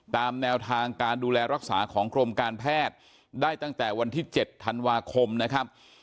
ตามแนวทางการดูแลรักษาของกรมการแพทย์ได้ตั้งแต่วันที่๗ธันวาคมนะครับ